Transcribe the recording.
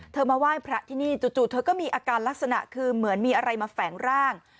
มาไหว้พระที่นี่จู่เธอก็มีอาการลักษณะคือเหมือนมีอะไรมาแฝงร่าง